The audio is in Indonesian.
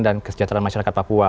dan kesejahteraan masyarakat papua